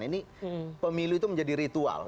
ini pemilu itu menjadi ritual